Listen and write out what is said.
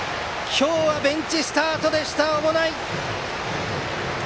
今日はベンチスタートでした小保内。